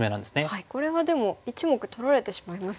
これはでも１目取られてしまいますよね。